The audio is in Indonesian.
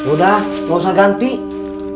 udah nggak usah ganti pakai